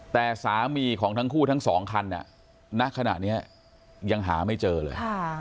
แต่สามีของทั้งคู่ทั้งสองคันณขณะนี้ยังหาไม่เจอเลย